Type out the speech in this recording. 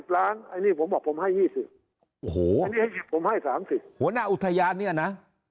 สิบล้านไอ้นี่ผมบอกผมให้ยี่สิบโอ้โหผมให้สามสิบหัวหน้าอุทยานเนี้ยนะ